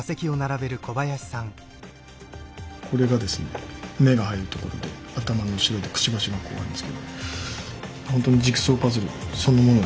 これがですね目が入るところで頭の後ろでくちばしがこうあるんですけど。